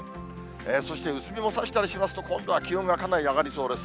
そして薄日もさしたりしますと、今度は気温がかなり上がりそうです。